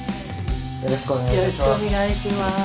よろしくお願いします。